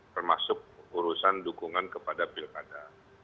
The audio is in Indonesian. termasuk urusan dukungan kepada pilkada